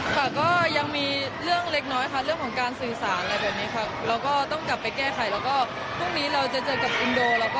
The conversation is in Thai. ค่ะก็ยังมีเรื่องเล็กน้อยค่ะ